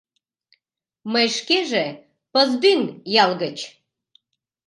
— Мый шкеже — Пыздӱҥ ял гыч.